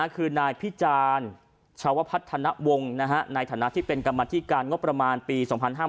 คือนายพิจารณ์ชาวพัฒนวงศ์ในฐานะที่เป็นกรรมธิการงบประมาณปี๒๕๕๙